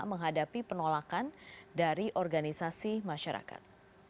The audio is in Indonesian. menghadapi penolakan dari organisasi masyarakat